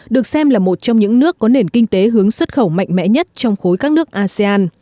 được xem là một trong những nước có nền kinh tế hướng xuất khẩu mạnh mẽ nhất trong khối các nước asean